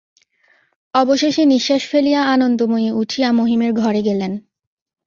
অবশেষে নিশ্বাস ফেলিয়া আনন্দময়ী উঠিয়া মহিমের ঘরে গেলেন।